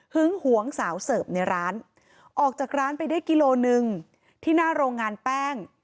หวงสาวเสิร์ฟในร้านออกจากร้านไปได้กิโลหนึ่งที่หน้าโรงงานแป้ง